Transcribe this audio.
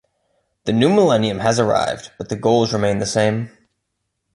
The new millennium has arrived, but the goals remain the same.